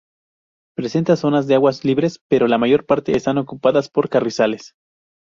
Presenta zonas de aguas libres, pero la mayor parte están ocupadas por carrizales.